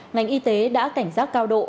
ngành y tế đã cảnh giác cao độ